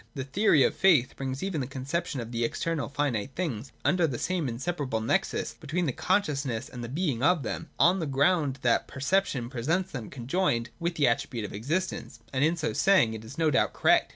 The theory of faith brings even the conception of external finite things under the same inseparable nexus between the consciousness and the being of them, on the ground ^hz t perception presents them conjoined with the attribute of existence : and in so saying, it is no doubt correct.